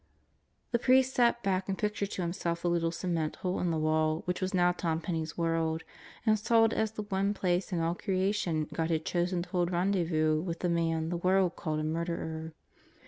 The priest sat back and pictured to himself the little cement hole in the wall, which was now Tom Penney's world, and saw it as the one place in all creation God had chosen to hold rendezvous with the man the world called a murderer.